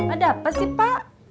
ada apa sih pak